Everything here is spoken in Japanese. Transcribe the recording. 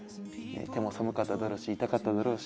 手も寒かっただろうし痛かっただろうし。